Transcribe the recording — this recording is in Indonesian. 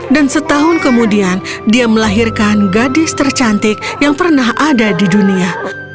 dan setahun kemudian dia melahirkan gadis tercantik yang pernah ada di dunia